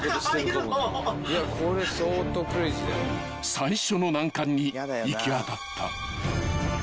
［最初の難関に行き当たった］